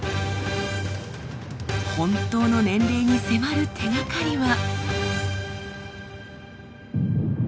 本当の年齢に迫る手がかりは。